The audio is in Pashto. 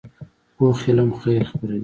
پوخ علم خیر خپروي